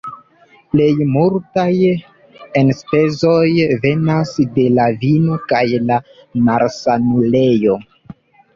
Plej multaj enspezoj venas de la vino kaj la malsanulejo.